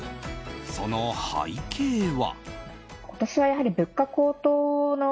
その背景は。